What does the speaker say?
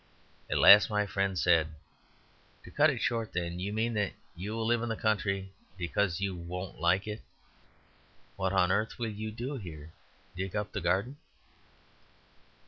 At last my friend said: "To cut it short, then, you mean that you will live in the country because you won't like it. What on earth will you do here; dig up the garden?"